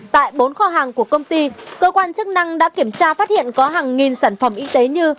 tại bốn kho hàng của công ty cơ quan chức năng đã kiểm tra phát hiện có hàng nghìn sản phẩm y tế như